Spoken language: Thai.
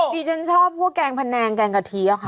ดิฉันชอบพวกแกงพะแนงแกงกะทิอะค่ะ